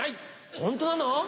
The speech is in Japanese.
ホントなの？